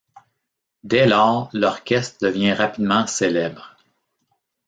Dès lors, l'orchestre devient rapidement célèbre.